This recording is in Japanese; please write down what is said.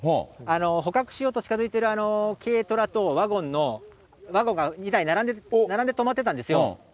捕獲しようと近づいている軽トラとワゴンの、ワゴンが２台並んで止まってたんですよ。